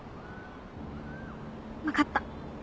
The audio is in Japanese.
分かった。